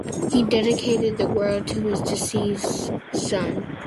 He dedicated the award to his deceased son.